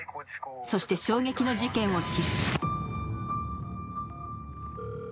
そして、衝撃の事件を知る。